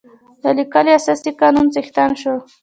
د لیکلي اساسي قانون څښتن شو.